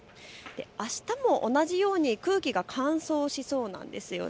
あしたも同じように空気が乾燥しそうなんです。